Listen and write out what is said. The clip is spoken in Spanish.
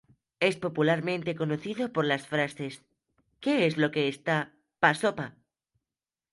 Es popularmente conocido por las frases "¿Que es lo que está pa' sopa?